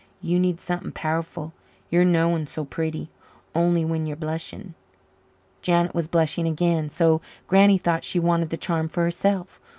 You need something powerful you're noan so pretty only when you're blushing." Janet was blushing again. So Granny thought she wanted the charm for herself!